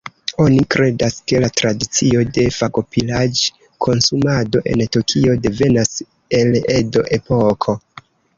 Oni kredas, ke la tradicio de fagopiraĵ-konsumado en Tokio devenas el Edo-epoko.